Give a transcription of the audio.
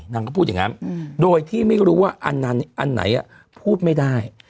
นางก็พูดอย่างนั้นโดยที่ไม่รู้ว่าอันไหนพูดไม่ได้